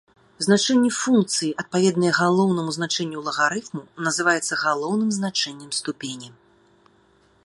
Значэнне функцыі, адпаведнае галоўнаму значэнню лагарыфму, называецца галоўным значэннем ступені.